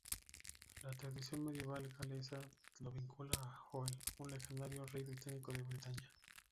La tradición medieval galesa lo vincula a Hoel, un legendario rey britano de Bretaña.